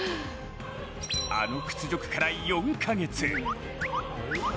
あの屈辱から４か月。